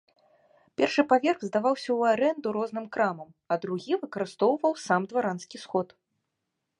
Першы паверх здаваўся ў арэнду розным крамам, а другі выкарыстоўваў сам дваранскі сход.